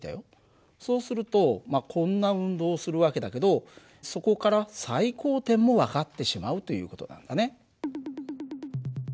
そうするとこんな運動をする訳だけどそこから最高点も分かってしまうという事なんだね。